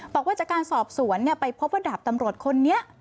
บอกว่าจากการสอบสวนไปพบว่าดาบตำรวจคนนี้